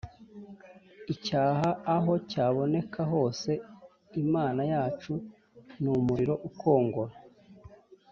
’ Icyaha aho cyaboneka hose, ‘‘Imana yacu ni umuriro ukongora.